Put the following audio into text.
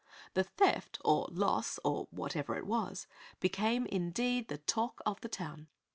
The theft, or loss, or whatever it was, became indeed the "talk of the town."